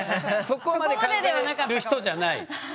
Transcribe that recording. そこまで考える人じゃない？